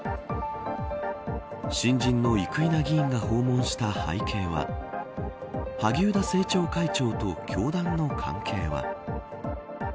新人の生稲議員が訪問した背景は萩生田政調会長と教団の関係は。